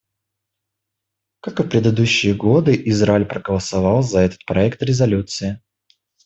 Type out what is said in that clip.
Как и в предыдущие годы, Израиль проголосовал за этот проект резолюции.